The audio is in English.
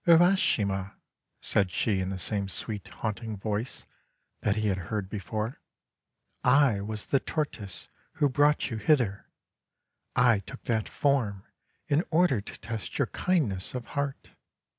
'Urashima," said she in the same sweet haunting voice that he had heard before, "I was the Tortoise who brought you hither. I took that form in order to test your kindness of heart.